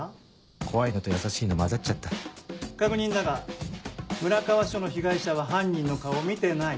怖いのと優しいの交ざっちゃった確認だが村川署の被害者は犯人の顔を見てない？